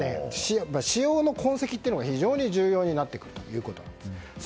使用の痕跡というのが非常に重要になってくるということなんです。